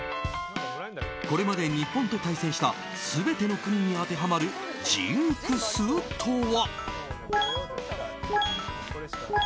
これまで日本と対戦した全ての国々に当てはまるジンクスとは。